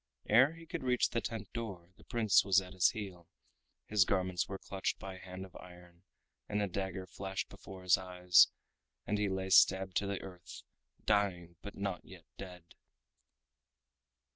Ere he could reach the tent door the Prince was at his heel, his garments were clutched by a hand of iron, and a dagger flashed before his eyes and he lay stabbed to the earth, dying but not yet dead.